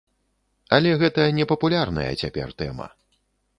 Але гэта непапулярная цяпер тэма.